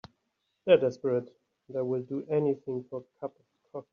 They're desperate and will do anything for a cup of coffee.